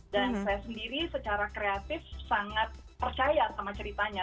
saya sendiri secara kreatif sangat percaya sama ceritanya